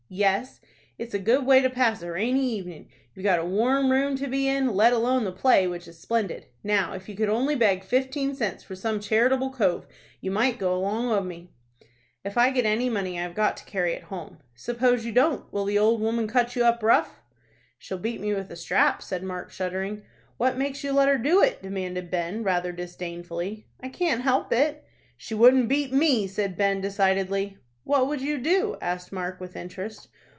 "Yes, it's a good way to pass a rainy evenin'. You've got a warm room to be in, let alone the play, which is splendid. Now, if you could only beg fifteen cents from some charitable cove, you might go along of me." "If I get any money I've got to carry it home." "Suppose you don't, will the old woman cut up rough?" "She'll beat me with a strap," said Mark, shuddering. "What makes you let her do it?" demanded Ben, rather disdainfully. "I can't help it." "She wouldn't beat me," said Ben, decidedly. "What would you do?" asked Mark, with interest.